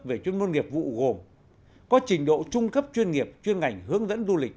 về chuyên môn nghiệp vụ gồm có trình độ trung cấp chuyên nghiệp chuyên ngành hướng dẫn du lịch